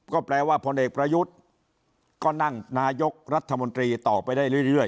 ก็แปลว่าพลเอกประยุทธ์ก็นั่งนายกรัฐมนตรีต่อไปได้เรื่อย